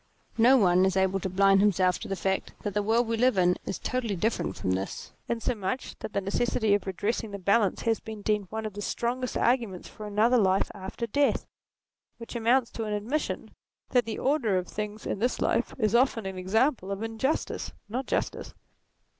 No one is able to blind himself to the fact that the world we live in is totally different from this ; insomuch that the necessity of redressing the balance has been deemed one of the strongest arguments for another life after death, which amounts to an admission that the order of things in this life is often an example of injustice, not justice.